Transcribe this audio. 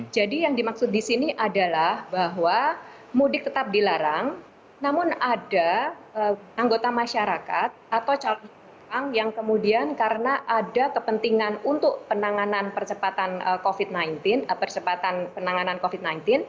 jadi yang dimaksud di sini adalah bahwa mudik tetap dilarang namun ada anggota masyarakat atau calon yang kemudian karena ada kepentingan untuk penanganan percepatan covid sembilan belas